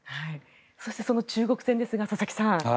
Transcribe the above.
そしてその中国戦ですが佐々木さん。